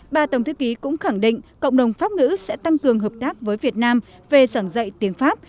bà tổng thư ký cũng khẳng định cộng đồng pháp ngữ sẽ tăng cường hợp tác với việt nam về giảng dạy tiếng pháp